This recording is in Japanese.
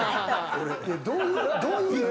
どういう？